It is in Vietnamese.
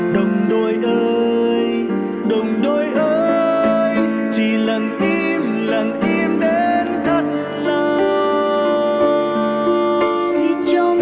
đồng đội ơi đồng đội ơi chỉ lặng im lặng im đến thất lòng